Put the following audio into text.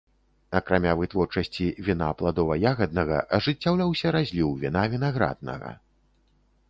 Акрамя вытворчасці віна пладова-ягаднага ажыццяўляўся разліў віна вінаграднага.